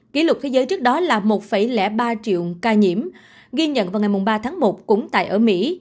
kỷ lục thế giới trước đó là một ba triệu ca nhiễm ghi nhận vào ngày ba tháng một cũng tại ở mỹ